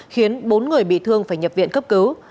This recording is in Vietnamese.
khiến bốn người bị thương phải nhập viện cấp cứu